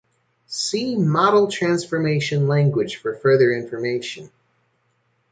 See Model Transformation Language for further information.